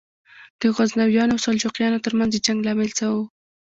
د غزنویانو او سلجوقیانو تر منځ د جنګ لامل څه و؟